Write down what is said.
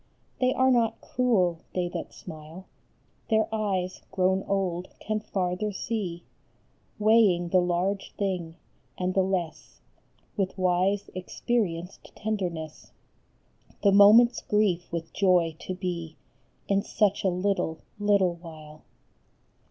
CAN THEY BEAR IT IN HEAVEN? 139 They are not cruel, that they smile ; Their eyes, grown old, can farther see, Weighing the large thing and the less With wise, experienced tenderness, The moment s grief with joy to be In such a little, little while.